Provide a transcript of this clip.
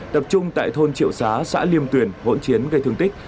tập trung tại thôn triệu xá xã liêm tuyền hỗn chiến gây thương tích